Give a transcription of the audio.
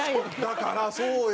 だからそうよ！